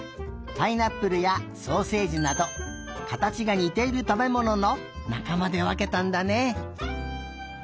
パイナップルやソーセージなどかたちがにているたべもののなかまでわけたんだね。